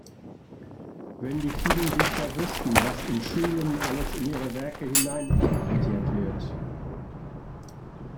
Wenn die vielen Dichter wüssten, was in Schulen alles in ihre Werke hineininterpretiert wird!